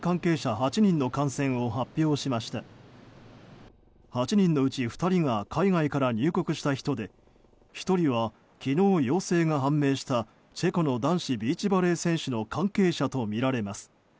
８人のうち２人が海外から入国した人で１人は昨日陽性が判明したチェコの男子ビーチバレー選手の関係者とみられます。